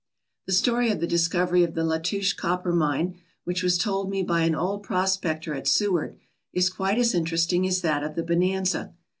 The story of the discovery of the Latouche copper mine, which was told me by an old prospector at Seward, is quite as interesting as that of the Bonanza.